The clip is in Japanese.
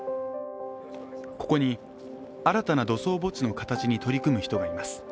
ここに、新たな土葬墓地の形に取り組む人がいます。